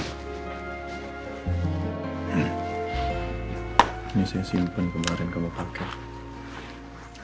ini saya simpan kemarin kamu pakai